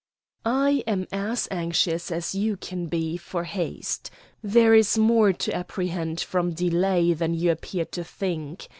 "I am as anxious as you can be for haste. There is more to apprehend from delay than you appear to think.